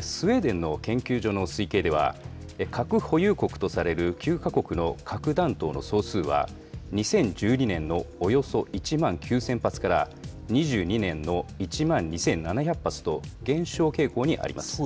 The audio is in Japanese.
スウェーデンの研究所の推計では、核保有国とされる９か国の核弾頭の総数は、２０１２年のおよそ１万９０００発から、２２年の１万２７００発と減少傾向にあります。